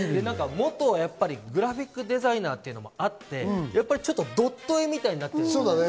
元グラフィックデザイナーというのもあって、ドット絵みたいになってるんですよ。